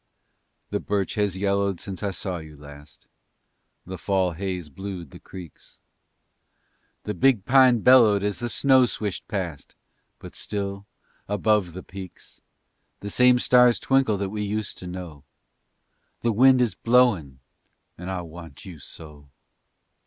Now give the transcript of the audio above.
The birch has yellowed since I saw you last, The Fall haze blued the creeks, The big pine bellowed as the snow swished past, But still, above the peaks, The same stars twinkle that we used to know. The wind is blowin' and I want you so.